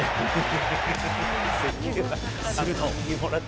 すると。